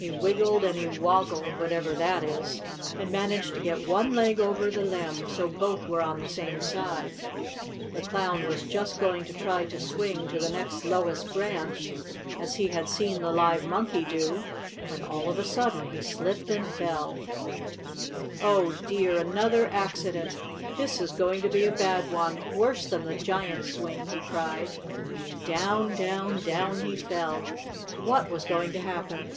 He wiggled and he woggled, whatever that is, and managed to get one leg over the limb, so both were on the same side. The Clown was just going to try to swing to the next lowest branch, as he had seen the live monkey do, when, all of a sudden, he slipped and fell. "Oh, dear! Another accident! This is going to be a bad one worse than the giant's swing!" he cried. Down, down, down, he fell. What was going to happen?